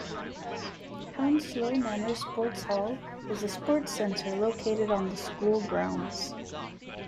Hounslow Manor Sports Hall is a sports center located on the school grounds.